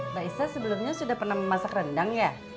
mbak isa sebelumnya sudah pernah memasak rendang ya